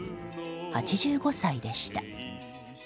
８５歳でした。